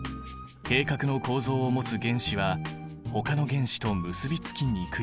閉殻の構造を持つ原子はほかの原子と結びつきにくい。